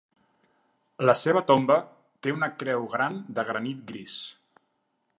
La seva tomba té una creu gran de granit gris.